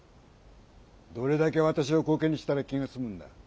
どれだけ私をコケにしたら気が済むんだ！